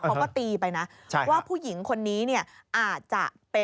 เขาก็ตีไปนะว่าผู้หญิงคนนี้เนี่ยอาจจะเป็น